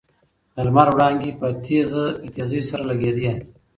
د لمر وړانګې په تېزۍ سره لګېدې.